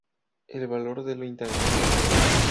El valor de lo intangible.